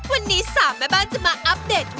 วันนี้๓แม่บ้านจะมาอัปเดต